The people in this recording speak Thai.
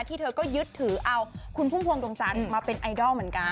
เธอก็ยึดถือเอาคุณพุ่มพวงดวงจันทร์มาเป็นไอดอลเหมือนกัน